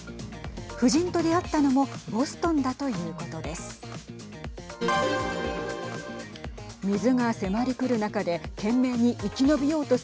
夫人と出会ったのもボストンだということです。